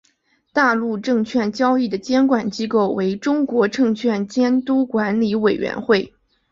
大陆证券交易的监管机构为中国证券监督管理委员会。